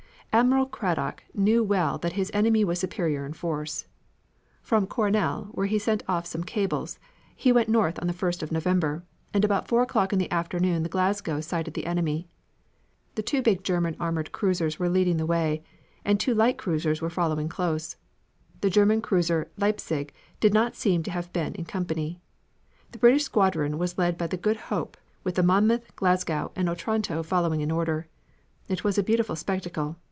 Admiral Cradock knew well that his enemy was superior in force. From Coronel, where he sent off some cables, he went north on the first of November, and about four o'clock in the afternoon the Glasgow sighted the enemy. The two big German armored cruisers were leading the way, and two light cruisers were following close. The German cruiser Leipzig does not seem to have been in company. The British squadron was led by the Good Hope, with the Monmouth, Glasgow and Otranto following in order. It was a beautiful spectacle.